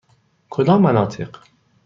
کدام مناطق؟